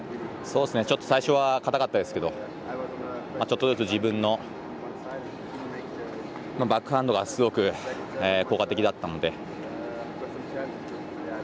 最初は硬かったですけれどちょっとずつ自分のバックハンドがすごく効果的だったので。